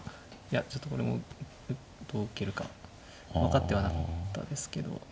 ちょっとこれもどう受けるか分かってはなかったですけど。